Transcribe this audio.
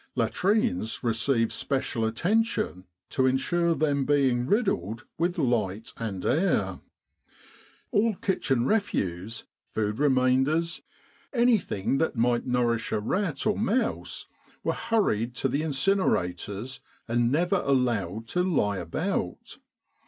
Latrines received special attention to ensure them being riddled with light and air. All kitchen refuse, 187 With the R.A.M.C. in Egypt food remainders anything that might nourish a rat or mouse were hurried to the incinerators and never allowed to lie about.